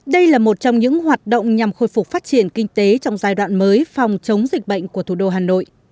đây là một trong những hoạt động nhằm khôi phục phát triển kinh tế trong giai đoạn mới phòng chống dịch bệnh của thủ đô hà nội